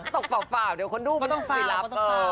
ต้องฝ่าวเดี๋ยวคนดูมันสิทธิ์ลับ